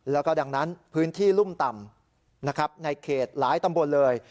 แล้วก็ดังนั้นพื้นที่รุ่มต่ำนะครับในเขตหลายตำบลเลย